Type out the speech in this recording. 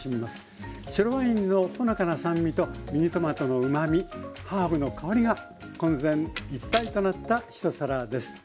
白ワインのほのかな酸味とミニトマトのうまみハーブの香りが混然一体となった一皿です。